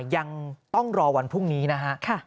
ยังต้องรอวันพรุ่งนี้นะฮะ